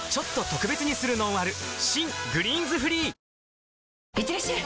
新「グリーンズフリー」いってらっしゃい！